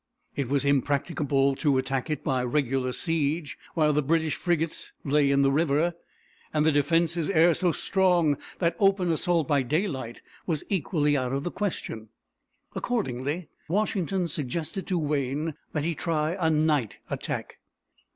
It was impracticable to attack it by regular siege while the British frigates lay in the river, and the defenses ere so strong that open assault by daylight was equally out of the question. Accordingly Washington suggested to Wayne that he try a night attack.